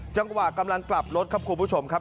จังหวะกำลังกลับรถครับคุณผู้ชมครับ